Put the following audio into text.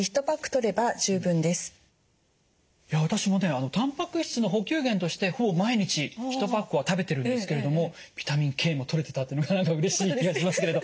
私もねたんぱく質の補給源としてほぼ毎日１パックは食べてるんですけれどもビタミンＫもとれてたってなかなかうれしい気がしますけれど。